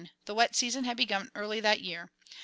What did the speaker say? The wet season had begun early that year.